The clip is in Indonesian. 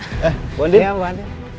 eh mbak andien